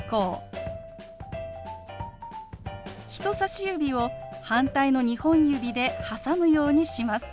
人さし指を反対の２本指で挟むようにします。